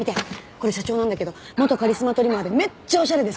これ社長なんだけど元カリスマトリマーでめっちゃおしゃれでさ。